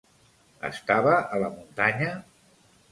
Estava a la muntanya?